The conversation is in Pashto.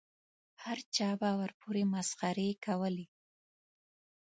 هر چا به ورپورې مسخرې کولې.